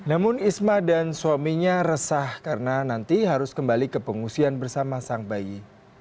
namun isma dan suaminya resah karena nanti harus kembali ke pengungsian bersama sang bayi